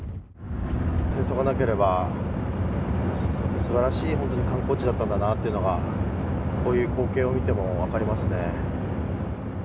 戦争がなければすばらしい観光地だったんだなというのがこういう光景を見ても分かりますね。